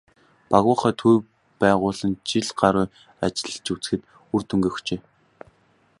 "Багваахай" төвийг байгуулан жил гаруй ажиллаж үзэхэд үр дүнгээ өгчээ.